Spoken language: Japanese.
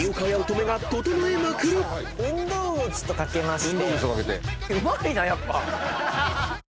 運動靴と掛けまして。